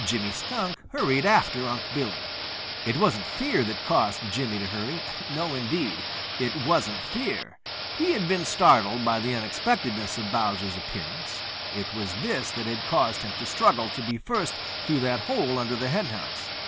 Jimmy Skunk hurried after Unc' Billy. It wasn't fear that caused Jimmy to hurry. No, indeed, it wasn't fear. He had been startled by the unexpectedness of Bowser's appearance. It was this that had caused him to struggle to be first through that hole under the henhouse.